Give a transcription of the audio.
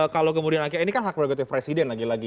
kalau kemudian akhirnya ini kan hak prerogatif presiden lagi lagi